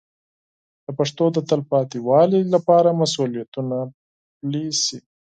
د پښتو د تلپاتې والي لپاره مسوولیتونه پلي شي.